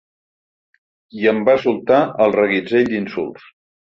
I em va soltar el reguitzell d’insults.